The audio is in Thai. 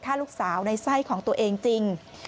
ลูกสาวในไส้ของตัวเองจริง